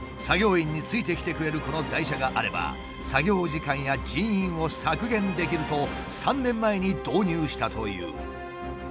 作業員についてきてくれるこの台車があれば作業時間や人員を削減できると３年前に導入したという。